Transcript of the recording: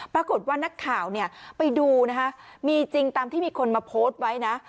ปรากฏว่านักข่าวเนี่ยไปดูนะฮะมีจริงตามที่มีคนมาโพสต์ไว้นะ